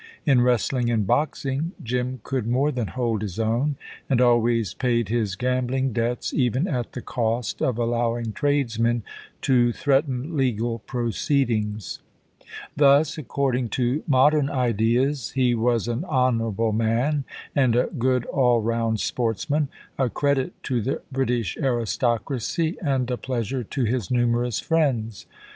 In wrestling and boxing Jim could more than hold his own, and always paid his gambling debts, even at the cost of allowing tradesmen to threaten legal proceedings. Thus, according to modern ideas, he was an honourable man and a good all round sportsman, a credit to the British aristocracy and a pleasure to his numerous friends.